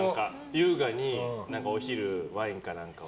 優雅にお昼、ワインかなんかを。